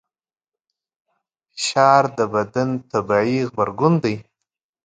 فشار د بدن طبیعي غبرګون دی.